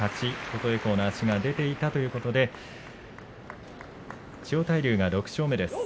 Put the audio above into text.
琴恵光の足が出ていたということで千代大龍が６勝目です。